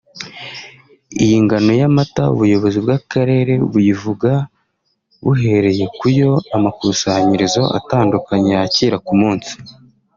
Iyi ngano y’amata ubuyobozi bw’Akarere buyivuga buhereye ku yo amakusanyirizo atandukanye yakira ku munsi